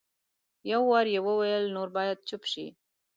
یو وار یې وویل نور باید چپ شئ.